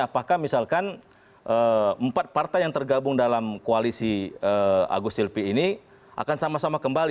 apakah misalkan empat partai yang tergabung dalam koalisi agus silpi ini akan sama sama kembali